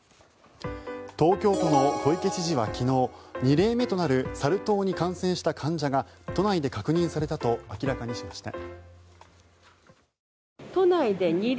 東京都の小池知事は昨日２例目となるサル痘に感染した患者が都内で確認されたと明らかにしました。